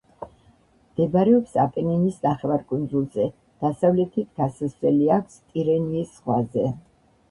მდებარეობს აპენინის ნახევარკუნძულზე, დასავლეთით გასასვლელი აქვს ტირენიის ზღვაზე.